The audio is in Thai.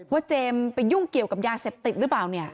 เจมส์ไปยุ่งเกี่ยวกับยาเสพติดหรือเปล่าเนี่ย